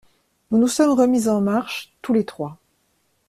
Nous nous sommes remis en marche, tous les trois.